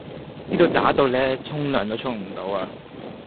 呢度渣到呢沖涼都沖唔到啊